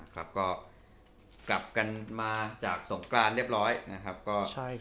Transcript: ก็กลับกันมาจากสงกรานเรียบร้อย